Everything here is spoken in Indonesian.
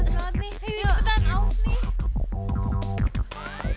cepetan aus nih